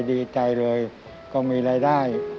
ดีใจเลยก็มีรายได้